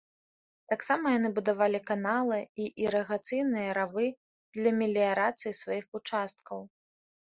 Таксама яны будавалі каналы і ірыгацыйныя равы для меліярацыі сваіх участкаў.